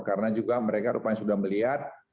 karena juga mereka rupanya sudah melihat